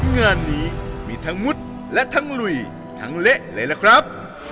งานนี้มีทั้งมุดและทั้งลุยทั้งเละเลยล่ะครับ